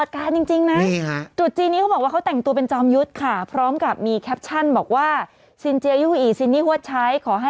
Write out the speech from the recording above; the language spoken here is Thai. ขอให้มากด้วยอ่างเปล่าพี่ติ๊กบอกนะคะ